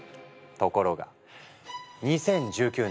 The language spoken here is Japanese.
ところが２０１９年